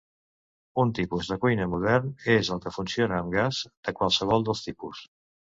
Un tipus de cuina modern és el que funciona amb gas, de qualsevol dels tipus.